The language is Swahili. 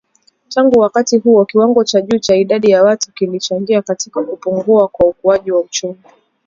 Tangu wakati huo kiwango cha juu cha idadi ya watu kilichangia katika kupungua kwa ukuaji wa uchumi